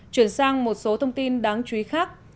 chuyển sang một số thông tin đáng chú ý khác